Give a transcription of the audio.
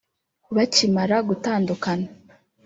Bakimara gutandukana